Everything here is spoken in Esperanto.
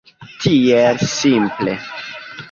Tiel simple.